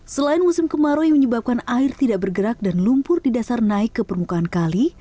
selain musim kemarau yang menyebabkan air tidak bergerak dan lumpur di dasar naik ke permukaan kali